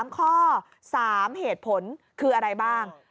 ๓ข้อ๓เหตุผลคืออะไรบ้าง